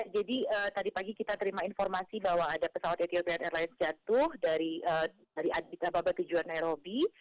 jadi tadi pagi kita terima informasi bahwa ada pesawat etiopian airlines jatuh dari adis ababa ke jawa nairobi